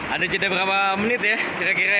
ada jadinya berapa menit ya kira kira ya